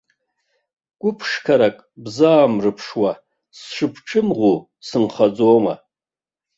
Гәыԥшқарак бзаамырԥшуа, сшыбцәымӷу сынхаӡома?